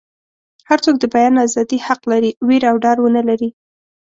هر څوک د بیان ازادي حق لري ویره او ډار ونه لري.